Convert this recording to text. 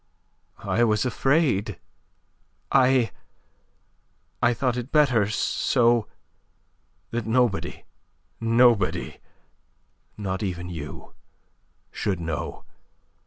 "I was afraid. I... I thought it better so that nobody, nobody, not even you, should know.